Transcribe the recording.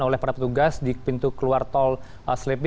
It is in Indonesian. oleh para petugas di pintu keluar tol selipi